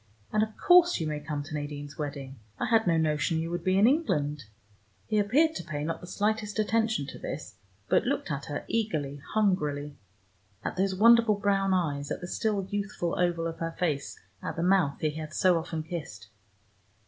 "And of course you may come to Nadine's wedding. I had no notion you would be in England." He appeared to pay not the slightest attention to this but looked at her eagerly, hungrily, at those wonderful brown eyes, at the still youthful oval of her face, at the mouth he had so often kissed.